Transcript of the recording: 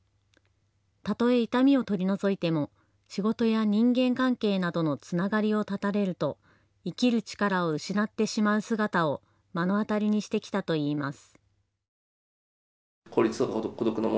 たとえ痛みを取り除いても仕事や人間関係などのつながりを絶たれると生きる力を失ってしまう姿を目の当たりにしてきたといいます。